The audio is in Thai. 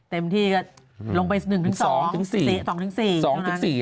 เต็มที่ลงไป๑๒๔